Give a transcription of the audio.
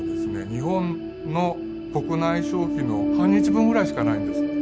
日本の国内消費の半日分ぐらいしかないんです。